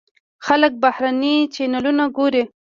خلک بهرني چینلونه ګوري.